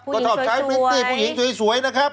ก็ชอบใช้พริตตี้ผู้หญิงสวยนะครับ